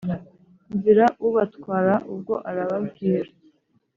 nzira ubatwara ubwo arababwira